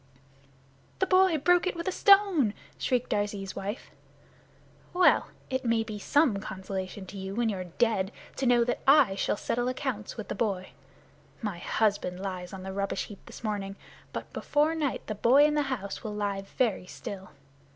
"The boy broke it with a stone!" shrieked Darzee's wife. "Well! It may be some consolation to you when you're dead to know that I shall settle accounts with the boy. My husband lies on the rubbish heap this morning, but before night the boy in the house will lie very still.